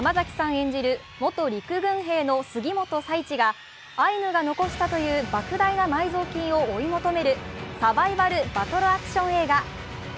演じる元陸軍兵の杉元佐一がアイヌが残したというばく大な埋蔵金を追い求めるサバイバル・バトルアクション映画。